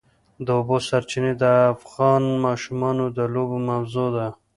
د اوبو سرچینې د افغان ماشومانو د لوبو موضوع ده.